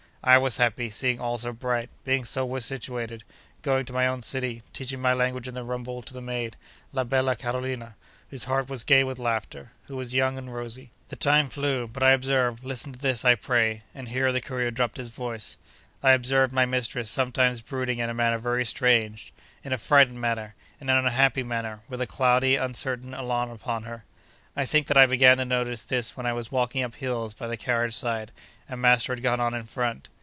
I was happy, seeing all so bright, being so well situated, going to my own city, teaching my language in the rumble to the maid, la bella Carolina, whose heart was gay with laughter: who was young and rosy. The time flew. But I observed—listen to this, I pray! (and here the courier dropped his voice)—I observed my mistress sometimes brooding in a manner very strange; in a frightened manner; in an unhappy manner; with a cloudy, uncertain alarm upon her. I think that I began to notice this when I was walking up hills by the carriage side, and master had gone on in front.